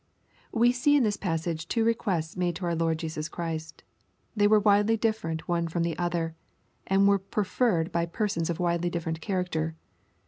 We see in this passage two requests made to our Lord Jesus Christ. They were widely dfferent one from the other, and were preferred by persons of widely different character.